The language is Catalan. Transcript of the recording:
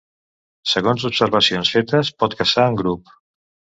Segons observacions fetes, pot caçar en grup.